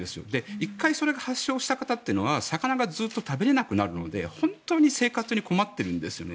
１回それが発症した方というのは魚がずっと食べられなくなるので本当に生活に困っているんですよね。